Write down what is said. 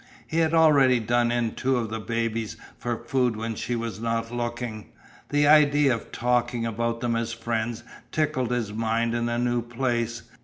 He had already done in two of the babies for food when she was not looking. The idea of talking about them as friends tickled his mind in a new place.